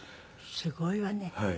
すごいわね。